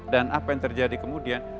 dan apa yang terjadi kemudian